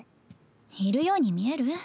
いるように見える？